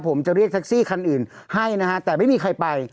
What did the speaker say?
ผมจะเรียกแท็กซี่คันอื่นให้นะฮะแต่ไม่มีใครไป